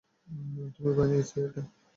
তুমি বানিয়েছ এটা?